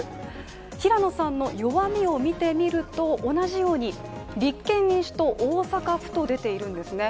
平野さんの弱みを見てみると、同じように立憲民主党大阪府と出ているんですね。